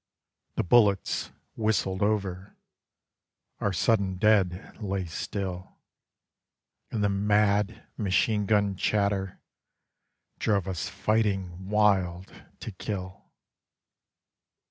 The bullets whistled over; Our sudden dead lay still; And the mad machine gun chatter drove us fighting wild to kill.